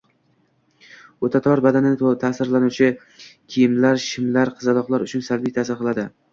O‘ta tor, badanni ta’sirlantiruvchi kiyimlar, shimlar qizaloqlar uchun salbiy ta’sir qiladi.